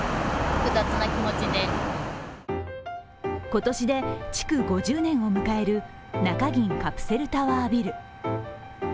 今年で築５０年を迎える中銀カプセルタワービル。